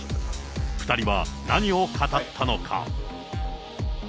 ２人は何を語ったのか。